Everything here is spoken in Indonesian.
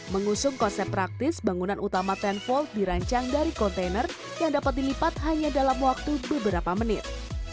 mengusung konsep praktis bangunan utama tenvolve dirancang dari kontainer yang dapat dilipat hanya dalam waktu beberapa menit